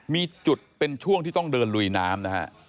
มีจุดเป็นช่วงที่ต้องเดินลุยน้ำนะฮะ